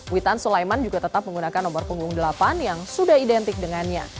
witan sulaiman juga tetap menggunakan nomor punggung delapan yang sudah identik dengannya